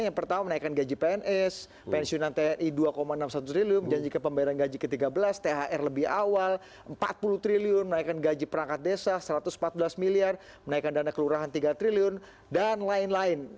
yang pertama menaikkan gaji pns pensiunan tni dua enam puluh satu triliun janjikan pembayaran gaji ke tiga belas thr lebih awal empat puluh triliun menaikkan gaji perangkat desa rp satu ratus empat belas miliar menaikkan dana kelurahan tiga triliun dan lain lain